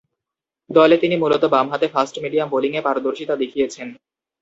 দলে তিনি মূলতঃ বামহাতে ফাস্ট-মিডিয়াম বোলিংয়ে পারদর্শিতা দেখিয়েছেন।